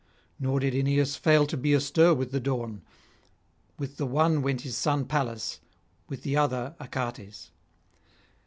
Nor did Aeneas fail to be astir with the dawn. With the one went his son Pallas, with the other Achates.